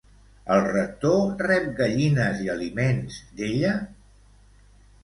El rector rep gallines i aliments d'ella?